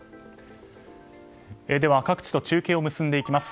では各地と中継を結んでいきます。